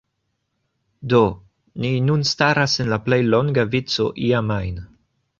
Do, ni nun staras en la plej longa vico iam ajn